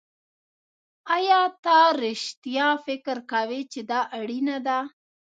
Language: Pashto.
ایا ته رښتیا فکر کوې چې دا اړینه ده